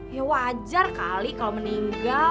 ya wajar kali kalau meninggal